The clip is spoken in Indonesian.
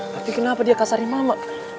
tapi kenapa dia kasari mama